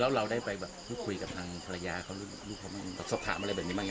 แล้วเราได้ไปแบบพูดคุยกับทางภรรยาเขาลูกเขาบ้างสอบถามอะไรแบบนี้บ้าง